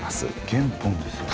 原本ですよね？